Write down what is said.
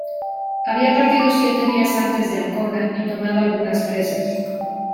Había partido siete días antes de Ancona y tomado algunas presas.